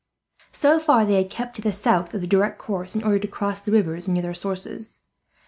So far they had kept to the south of the direct course, in order to cross the rivers near their sources.